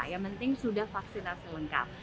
yang penting sudah vaksinasi lengkap